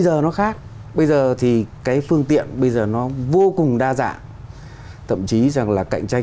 bây giờ nó khác bây giờ thì cái phương tiện bây giờ nó vô cùng đa dạng thậm chí rằng là cạnh tranh